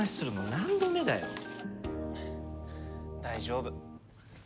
大丈夫。